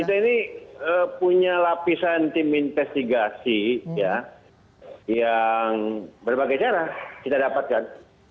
kita ini punya lapisan tim investigasi yang berbagai cara kita dapatkan